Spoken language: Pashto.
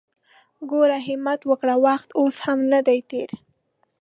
ګوره همت وکړه! وخت اوس هم ندی تېر!